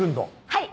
はい！